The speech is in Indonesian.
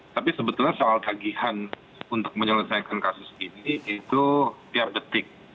tapi sebetulnya soal tagihan untuk menyelesaikan kasus ini itu tiap detik